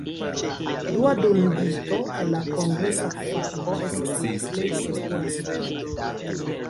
Dua dungito en la kongresa fako estas la plej sekura solvo.